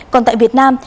còn tại việt nam